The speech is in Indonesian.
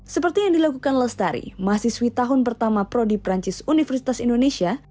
seperti yang dilakukan lestari mahasiswi tahun pertama pro di perancis universitas indonesia